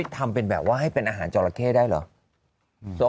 ทำเป็นแบบว่าให้เป็นอาหารจราเข้ได้เหรอ